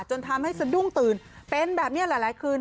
จนทำให้สะดุ้งตื่นเป็นแบบนี้หลายคืน